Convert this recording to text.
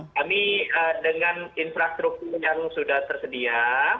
kami dengan infrastruktur yang sudah tersedia